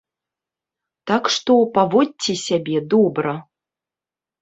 Так што, паводзьце сябе добра.